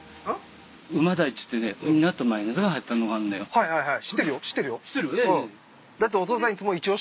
はいはいはい。